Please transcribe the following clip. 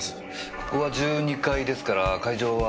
ここは１２階ですから会場は。